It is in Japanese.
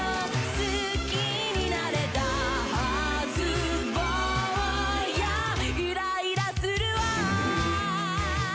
好きになれたはず坊やイライラするわ